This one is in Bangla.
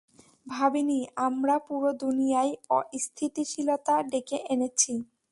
ভাবিনি, আমরা পুরো দুনিয়ায় অস্থিতিশীলতা ডেকে এনেছি।